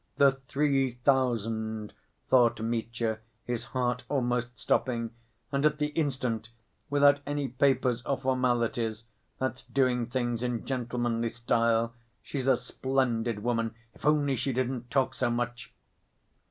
"The three thousand," thought Mitya, his heart almost stopping, "and at the instant ... without any papers or formalities ... that's doing things in gentlemanly style! She's a splendid woman, if only she didn't talk so much!"